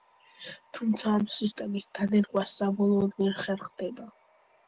თუმცა, ამ სისტემის დანერგვა საბოლოოდ ვერ ხერხდება.